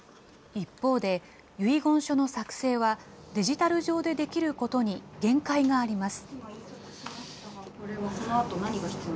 一方で、遺言書の作成は、デジタル上でできることに限界があります。